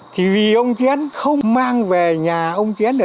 thì vì ông chén không mang về nhà ông chén nữa